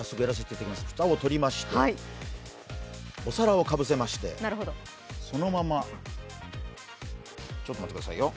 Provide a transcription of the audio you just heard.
蓋をとりまして、お皿をかぶせましてこのままちょっと待ってくださいよ。